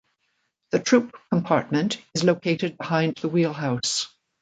The troop compartment is located behind the wheelhouse.